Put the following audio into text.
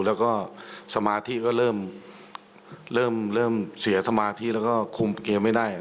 แล้วก็สมาธิก็เริ่มเสียสมาธิแล้วก็คุมเกมไม่ได้